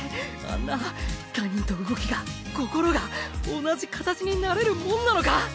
あんな他人と動きが心が同じ形になれるもんなのか？